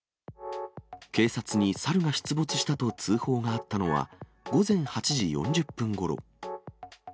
警察に猿が出没したと通報があったのは、午前８時４０分ごろ。